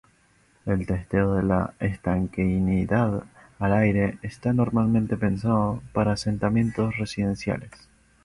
El testeo de la estanqueidad al aire está normalmente pensado para asentamientos residenciales.